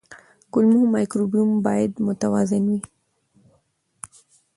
کولمو مایکروبیوم باید متوازن وي.